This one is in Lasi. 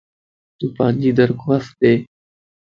تون پانجي درخواست ڏي